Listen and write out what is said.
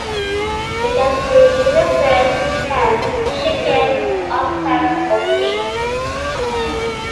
It can be made of fish, hen, chicken, ox tail, or beef.